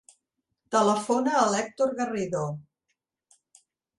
Telefona a l'Hèctor Garrido.